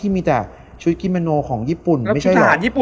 ไม่ใช่